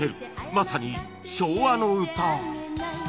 まさに昭和の歌